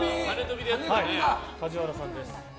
梶原さんです。